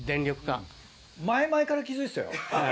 前々から気付いてたよ。